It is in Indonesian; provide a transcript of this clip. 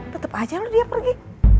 tetap aja loh dia pergi